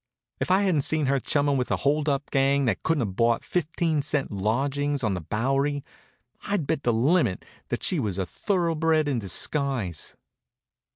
If I hadn't seen her chumming with a hold up gang that couldn't have bought fifteen cent lodgings on the Bowery, I'd bet the limit that she was a thoroughbred in disguise.